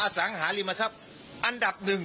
สังหาริมทรัพย์อันดับหนึ่ง